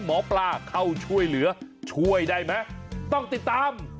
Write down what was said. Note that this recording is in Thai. หมอปลาเข้าช่วยเหลือช่วยได้ไหมต้องติดตาม